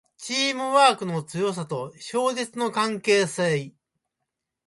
チームワークの強さと勝率の関係性